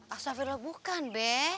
astaghfirullah bukan be